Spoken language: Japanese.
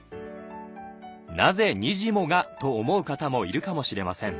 なぜ「にじモ」が？と思う方もいるかもしれません